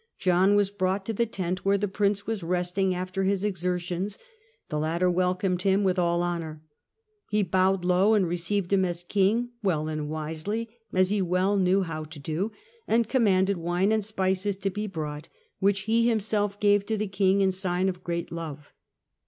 John was brought to the tent where the Prince was resting after his exertions : the latter welcomed him with all honour. " He bowed low and received him as King well and wisely as he well knew how to do, and commanded wine and spices to be brought^ which he himself gave to the King in sign of great love."